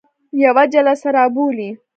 یوه جلسه را بولي.